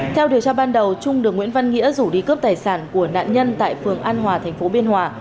theo điều tra ban đầu trung được nguyễn văn nghĩa rủ đi cướp tài sản của nạn nhân tại phường an hòa thành phố biên hòa